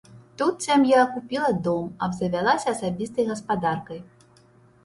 Тут сям'я купіла дом, абзавялася асабістай гаспадаркай.